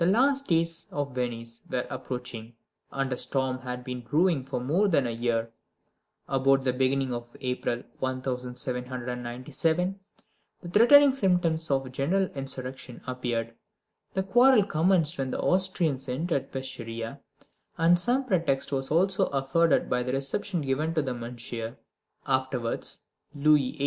The last days of Venice were approaching, and a storm had been brewing for more than a year. About the beginning of April 1797 the threatening symptoms of a general insurrection appeared. The quarrel commenced when the Austrians entered Peschiera, and some pretext was also afforded by the reception given to Monsieur, afterwards Louis XVIII.